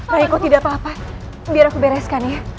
ray kau tidak apa apa biar aku bereskan ya